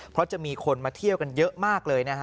เพราะจะมีคนมาเที่ยวกันเยอะมากเลยนะฮะ